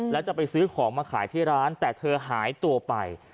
แล้วจะไปซื้อของมาขายที่ร้านแต่เธอหายตัวไป